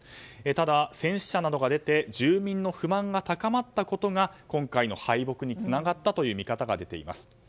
ただ、戦死者などが出て住民の不満が高まったことが今回の敗北につながったという見方が出ています。